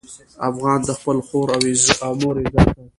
افغان د خپل خور او مور عزت ساتي.